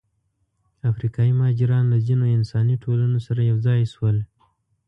افریقایي مهاجران له ځینو انساني ټولنو سره یوځای شول.